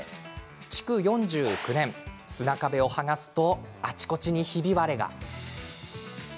築４９年、砂壁を剥がすとあちこちにひび割れが。